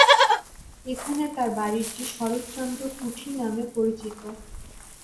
এখানে তার বাড়িটি শরৎচন্দ্র কুঠি নামে পরিচিত।